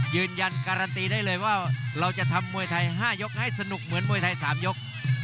ยืนยันการันตีได้เลยว่าเราจะทำมวยไทย๕ยกให้สนุกเหมือนมวยไทย๓ยก